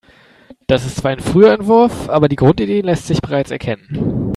Das ist zwar ein früher Entwurf, aber die Grundidee lässt sich bereits erkennen.